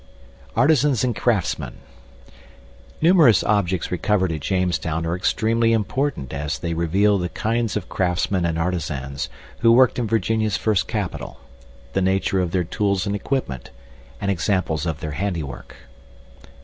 ] Artisans and Craftsmen Numerous objects recovered at Jamestown are extremely important as they reveal the kinds of craftsmen and artisans who worked in Virginia's first capital, the nature of their tools and equipment, and examples of their handiwork.